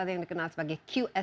yang dikenal sebagai qs